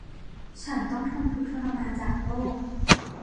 ฉันต้องทนทุกข์ทรมานจากโรค